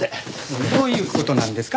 どういう事なんですか？